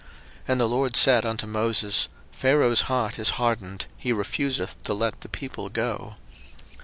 02:007:014 And the LORD said unto Moses, Pharaoh's heart is hardened, he refuseth to let the people go.